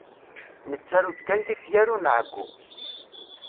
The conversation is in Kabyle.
Nettaru-d kan tifyar ur nɛeyyu.